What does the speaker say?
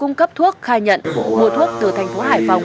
cung cấp thuốc khai nhận mua thuốc từ thành phố hải phòng